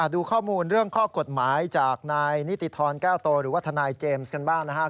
ดูข้อมูลเรื่องข้อกฎหมายจากนายนิติธรแก้วโตหรือว่าทนายเจมส์กันบ้างนะครับ